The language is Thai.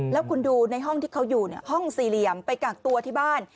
แล้วคุณดูในห้องที่เขาอยู่ห้องสี่เหลี่ยมไปกักตัวที่บ้าน